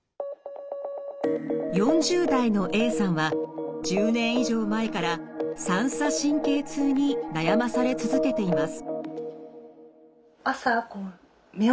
４０代のＡさんは１０年以上前から三叉神経痛に悩まされ続けています。